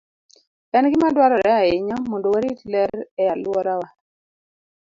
En gima dwarore ahinya mondo warit ler e alworawa.